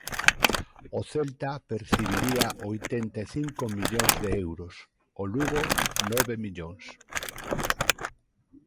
O Celta percibiría oitenta e cinco millóns de euros, o Lugo nove millóns.